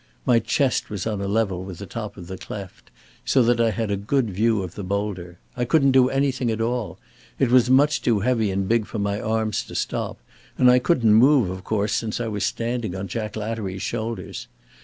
My chest was on a level with the top of the cleft, so that I had a good view of the boulder. I couldn't do anything at all. It was much too heavy and big for my arms to stop and I couldn't move, of course, since I was standing on Jack Lattery's shoulders.